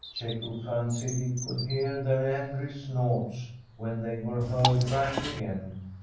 Cecco fancied he could hear their angry snorts when they were hurled back again.